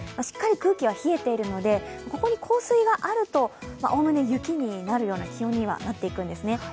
しっかり空気は冷えているのでここに降水があると、概ね雪になるような気温にはなっていくんですね。